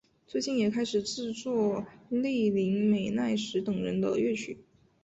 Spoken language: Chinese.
最近也开始制作栗林美奈实等人的乐曲。